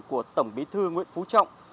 của tổng bí thư nguyễn phú trọng